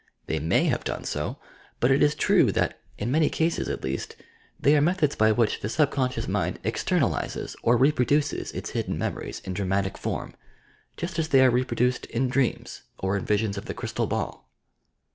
They may have done so, but it is true that, in many cases at least, they are methods by which the sub conscious mind "extemaliaes" or reproduces its hidden memories in dramatic form, just as they are reproduced in dreams or in visions of the crystal ball.